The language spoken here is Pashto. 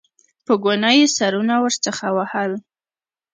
په ګناه یې سرونه ورڅخه وهل.